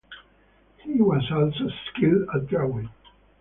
He was also skilled at drawing.